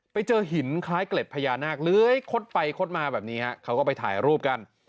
ไปเจอหินคล้ายเกล็ดพญานาคเลื้อยคดไปคดมาแบบนี้ฮะเขาก็ไปถ่ายรูปกัน